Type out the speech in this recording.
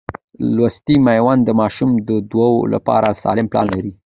لوستې میندې د ماشوم د وده لپاره سالم پلان لري.